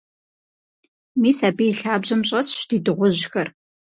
Мис абы и лъабжьэм щӀэсщ ди дыгъужьхэр.